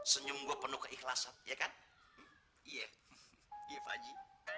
senyum penuh keikhlasan ya kan iya iya pakji